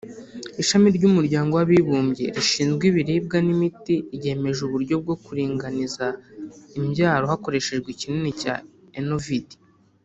Ishami ry’umuryango w’abibumbye rishinzwe ibiribwa n’imiti ryemeje uburyo bwo kuringaniza imbyaro hakoreshejwe ikinini cya Enovid